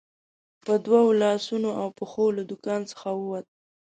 په دوو لاسو او پښو له دوکان څخه ووت.